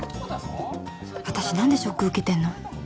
私何でショック受けてんの？